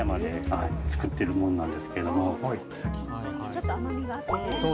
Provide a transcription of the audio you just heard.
ちょっと甘みがあってね。